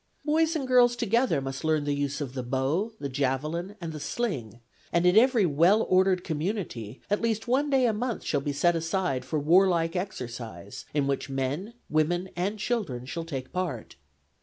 Boys and girls together must learn the use of the bow, the javelin, and the sling, and in every well ordered community at least one day a month shall be set aside for warlike exercise, in which men, women and children shall take part.